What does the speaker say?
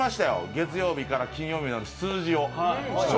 月曜日から金曜日までの数字を。